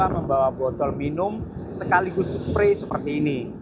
membawa botol minum sekaligus spray seperti ini